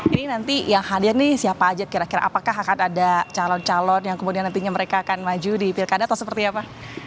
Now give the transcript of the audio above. ini nanti yang hadir nih siapa aja kira kira apakah akan ada calon calon yang kemudian nantinya mereka akan maju di pilkada atau seperti apa